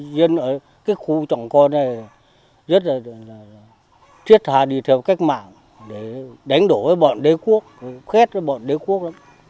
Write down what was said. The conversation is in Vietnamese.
dân ở cái khu trọng con này rất là thiết thà đi theo cách mạng để đánh đổ bọn đế quốc